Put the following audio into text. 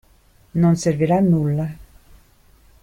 Non servirà a nulla.